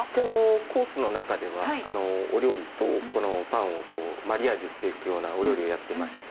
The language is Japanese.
コースの中ではお料理とパンをマリアージュして行くようなお料理をやってまして。